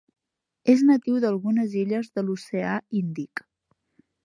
És natiu d'algunes illes de l'oceà Índic.